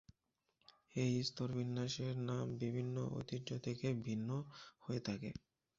এই স্তরবিন্যাসের নাম বিভিন্ন ঐতিহ্য থেকে ভিন্ন হয়ে থাকে।